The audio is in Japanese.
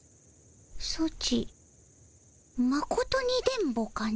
ソチまことに電ボかの？